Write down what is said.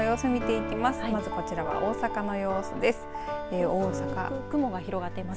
はい各地の空の様子を見ていきます。